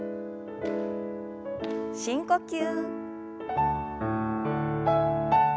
深呼吸。